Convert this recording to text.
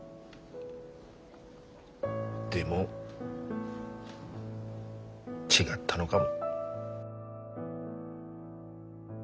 でも違ったのがも。